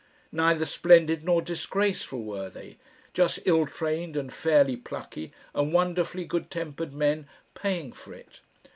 Neither splendid nor disgraceful were they, just ill trained and fairly plucky and wonderfully good tempered men paying for it.